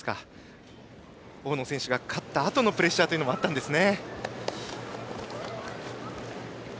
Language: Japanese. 大野選手が勝ったあとのプレッシャーというのもあったんですね。